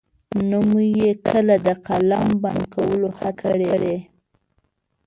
نه مو يې کله د قلم بند کولو هڅه کړې.